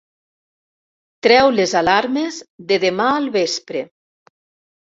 Treu les alarmes de demà al vespre.